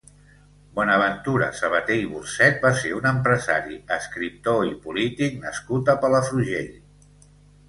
Bonaventura Sabater i Burcet va ser un empresari, escriptor i polític nascut a Palafrugell.